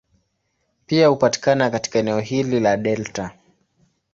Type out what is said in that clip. Pia hupatikana katika eneo hili la delta.